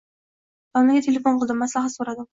Domlaga telefon qildim, maslahat soʻradim.